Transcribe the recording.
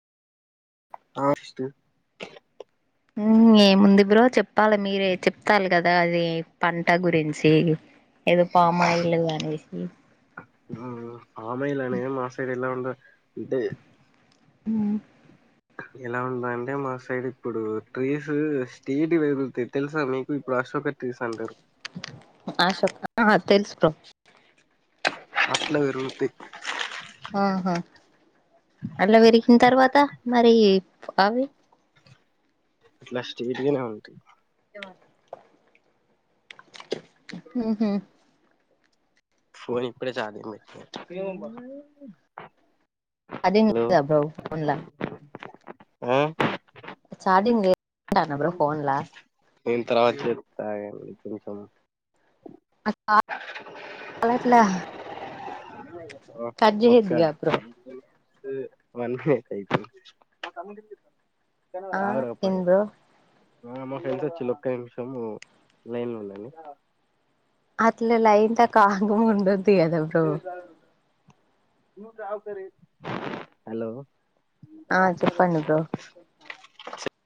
[unintelligible] హ్మ్ ఏముంది బ్రో చెప్పాలి మీరే చెప్తాలి కదా అది పంట గురించి ఏదో పామాయిల్ అనేసి మ్ మ్ పామయిలనే మా సైడ్ ఎలా ఉంది అంటే హ్మ్ ఎలా ఉంది అంటే మా సైడ్ ఇప్పుడు ట్రీస్ స్ట్రెయిటుగ పెరుగుతాయి తెలుసా మీకు ఇప్పుడు ఆ సోకేస్ ట్రీస్ అంటారు. ఆ షేప్ ఆహా తెలుసు బ్రో అట్ల పెరుగుతయ్. ఆహా! అలా పెరిగిన తర్వాత మరీ అవి అట్లా స్ట్రేట్గానే ఉంటాయ్. ఉహు [unintelligible] ఫోన్ ఇప్పుడే ఛార్జింగ్ పెట్టిన ఏమో బ్బా ఛార్జింగ్ అయిపోయిందా ఫోన్లా ఆ ఛార్జింగ్ పెట్టుకుంటన్న బ్రో ఫోన్లా నేను తర్వాత చెస్తా ఆగి అండి కొంచెం [unintelligible] ఆహా, కట్ ఒక్క చెయద్దిగా బ్రో ఆ ఏం బ్రో [unintelligible] ఆ మా ఫ్రెండ్స్ వచ్చిండ్రు ఒక్క నిమిషము లైన్లో ఉండండి. అట్లే లైన్తా కామ్గా ఉండద్ది కదా బ్రో హలో ఆ చెప్పండి బ్రో చె